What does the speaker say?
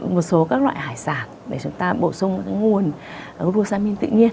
một số các loại hải sản để chúng ta bổ sung nguồn rusain tự nhiên